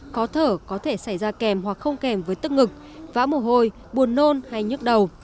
khó thở có thể xảy ra kèm hoặc không kèm với tức ngực vã mổ hôi buồn nôn hay nhức đầu